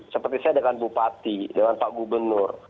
seperti saya dengan bupati dengan pak gubernur